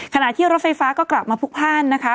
ขณะที่รถไฟฟ้าก็กลับมาพลุกพ่านนะคะ